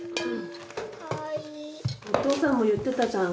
お父さんも言ってたじゃん。